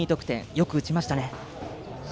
よく打ちましたね。